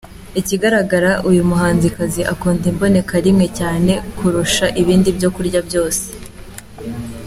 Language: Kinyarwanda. Ikigaragara, uyu muhanzikazi akunda imboneka rimwe cyane kurusha ibindi byo kurya byose !.